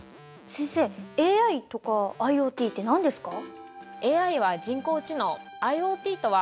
先生ＡＩとかＩｏＴって何ですか？